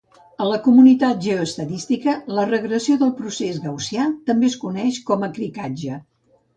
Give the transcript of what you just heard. A la comunitat de geoestadística, la regressió del procés gaussià també es coneix com a krigatge.